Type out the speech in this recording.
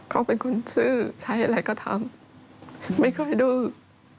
เขาเป็นคนซื้อใช้อะไรก็ทำไม่ค่อยดื้อ